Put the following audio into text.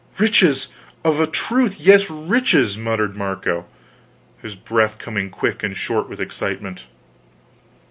"Riches! of a truth, yes, riches!" muttered Marco, his breath coming quick and short, with excitement.